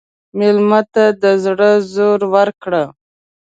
مېلمه ته د زړه زور ورکړه.